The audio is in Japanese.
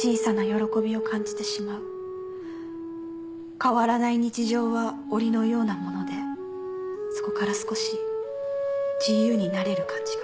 変わらない日常はおりのようなものでそこから少し自由になれる感じが。